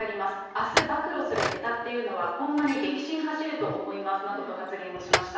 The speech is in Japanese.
あす暴露するねたっていうのは、ほんまに激震走ると思いますなどと発言をしました。